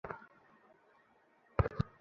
আমি নিজের চোখকে বিশ্বাস করতে পারছি না।